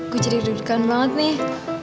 gue jadi degan banget nih